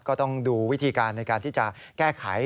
ก็ต้องดูวิธีการในการที่จะแก้ไข